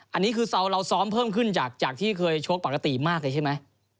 อันนี้คือเราซ้อมเพิ่มขึ้นจากที่เคยชกปกติมากเลยใช่ไหม